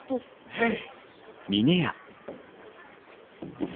へい！